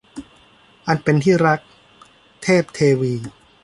อันเป็นที่รัก - เทพเทวี